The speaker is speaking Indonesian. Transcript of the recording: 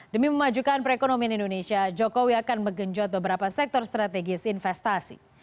demi memajukan perekonomian indonesia jokowi akan menggenjot beberapa sektor strategis investasi